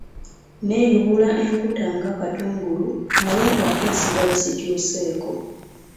Neeyubula enkuta ng'akatungulu naye ng'ate nsigala sikyuseeko.